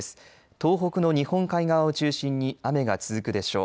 東北の日本海側を中心に雨が続くでしょう。